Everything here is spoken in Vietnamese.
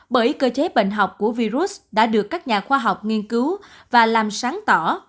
bởi cơ chế bệnh học của virus đã được các nhà khoa học nghiên cứu và làm sáng tỏ